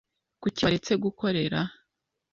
Kuki waretse gukorera ?